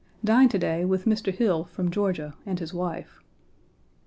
Dined to day with Mr. Hill 1 from Georgia, and his wife.